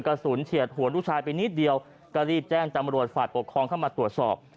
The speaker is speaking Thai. เฉียดหัวลูกชายไปนิดเดียวก็รีบแจ้งจำรวจฝ่ายปกครองเข้ามาตรวจสอบ